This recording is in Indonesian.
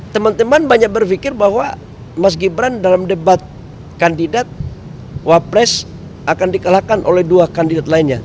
teman teman banyak berpikir bahwa mas gibran dalam debat kandidat wapres akan dikalahkan oleh dua kandidat lainnya